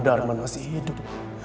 darman masih hidup